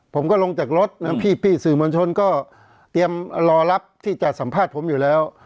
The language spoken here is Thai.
ผมก็ลงจากรถนะพี่สื่อมวลชนก็เตรียมรอรับที่จะสัมภาษณ์ผมอยู่แล้ว